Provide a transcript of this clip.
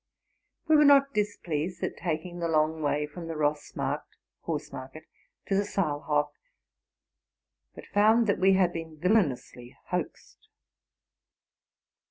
We were not displeased at taking the long way from the Ross markt (Horse market) to the Saalhof, but found that we had been villanously hoaxed.